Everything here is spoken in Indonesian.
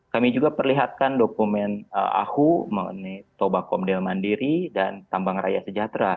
kami juga perlihatkan dokumen ahu mengenai toba komdel mandiri dan tambang raya sejahtera